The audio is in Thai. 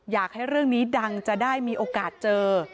อยากให้เรื่องนี้ดังจะได้มีโอกาสเจอ